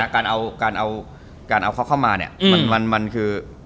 การเอาเขาเข้ามามันคือ